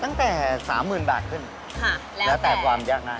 ตั้งแต่๓๐๐๐๐บาทขึ้นแล้วแต่ความยากนาย